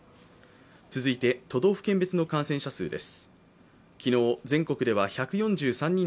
続いて都道府県別の感染者数です。